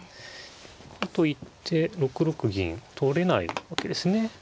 かといって６六銀取れないわけですね。